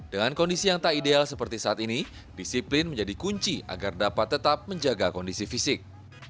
dengan kondisi yang tak ideal seperti saat ini disiplin menjadi kunci agar dapat tetap menjaga kondisi fisik